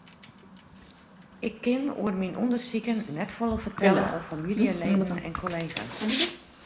Ik kin oer myn ûndersiken net folle fertelle oan famyljeleden en kollega's.